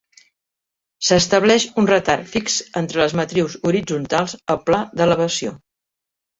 S'estableix un retard fix entre les matrius horitzontals al pla d'elevació.